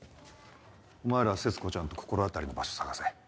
お前らは節子ちゃんと心当たりの場所捜せ。